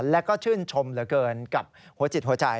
แล้วก็ชื่นชมเหลือเกินกับหัวจิตหัวใจ